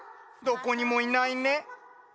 どこにもいないね。